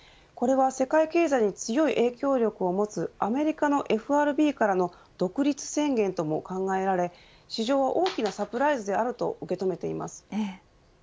これは世界経済に強い影響力を持つアメリカのＦＲＢからの独立宣言とも考えられ市場は大きなサプライズであると受け止めています。